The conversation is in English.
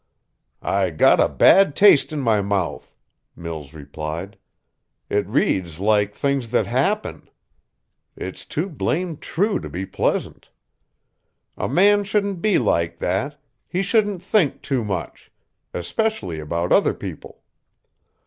"I got a bad taste in my mouth," Mills replied. "It reads like things that happen. It's too blamed true to be pleasant. A man shouldn't be like that, he shouldn't think too much especially about other people.